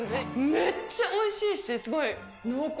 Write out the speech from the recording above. めっちゃおいしいし、すごい濃厚。